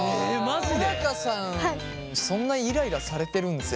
小高さんそんなイライラされてるんですね